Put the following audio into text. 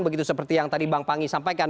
begitu seperti yang tadi bang pangi sampaikan